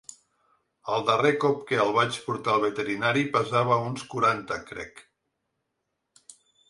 El darrer cop que el vaig portar al veterinari pesava uns quaranta crec.